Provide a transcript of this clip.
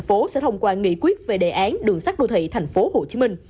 tp hcm sẽ thông qua nghị quyết về đề án đường sát đô thị tp hcm